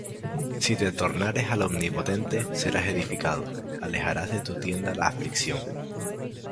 Si te tornares al Omnipotente, serás edificado; Alejarás de tu tienda la aflicción;